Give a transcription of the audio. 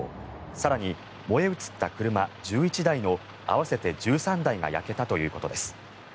更に燃え移った車１１台の合わせて１３台が焼けたということです。